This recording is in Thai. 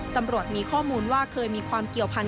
ตำรวจมีข้อมูลว่าเคยมีความเกี่ยวพันธ